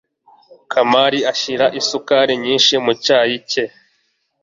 kamari ashyira isukari nyinshi mu cyayi cye